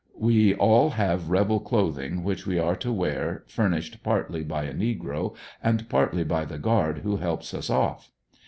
We all have rebel clothing which we are to wear, furnished partly by a negro, and partly by the guard who helps us off.